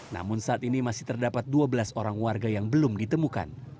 namun saat ini masih terdapat dua belas orang warga yang belum ditemukan